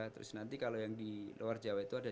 terus nanti kalau yang di luar jawa itu ada